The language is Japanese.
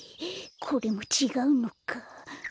これもちがうのか。